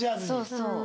そうそう。